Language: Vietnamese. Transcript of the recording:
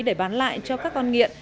để bán lại cho các con nghiện